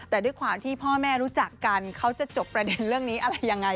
แต่ด้วยความที่พ่อแม่รู้จักกันเขาจะจบประเด็นเรื่องนี้อะไรยังไง